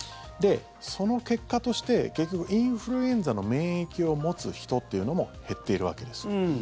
その結果として、結局インフルエンザの免疫を持つ人っていうのも減っているわけです。